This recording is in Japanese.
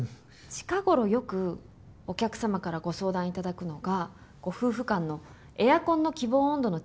近頃よくお客様からご相談いただくのがご夫婦間のエアコンの希望温度の違いです。